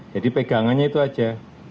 jadi pegangannya itu saja